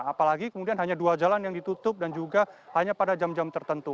apalagi kemudian hanya dua jalan yang ditutup dan juga hanya pada jam jam tertentu